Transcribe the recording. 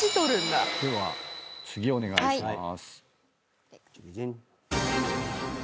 では次お願いします。